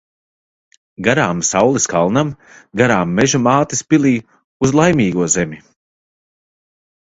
Garām saules kalnam, garām Meža mātes pilij. Uz Laimīgo zemi.